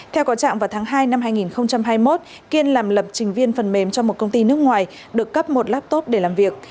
theo có trạng vào tháng hai năm hai nghìn hai mươi một kiên làm lập trình viên phần mềm cho một công ty nước ngoài được cấp một laptop để làm việc